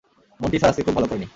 Monty sir আজকে খুব ভাল করেনি।